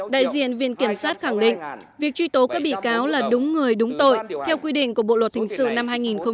đại diện viện kiểm sát khẳng định việc truy tố các bị cáo là đúng người đúng tội theo quy định của bộ luật hình sự năm hai nghìn một mươi năm